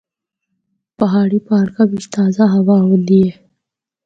پہاڑی پارکاں بچ تازہ ہوا ہوندی ہے۔